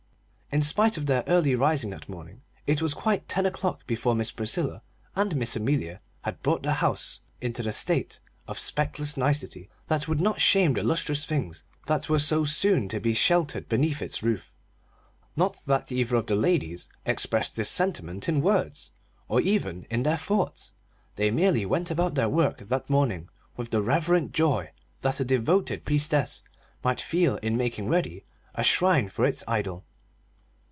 In spite of their early rising that morning, it was quite ten o'clock before Miss Priscilla and Miss Amelia had brought the house into the state of speckless nicety that would not shame the lustrous things that were so soon to be sheltered beneath its roof. Not that either of the ladies expressed this sentiment in words, or even in their thoughts; they merely went about their work that morning with the reverent joy that a devoted priestess might feel in making ready a shrine for its idol.